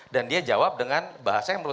dan dia jawab dengan bahasa yang menurut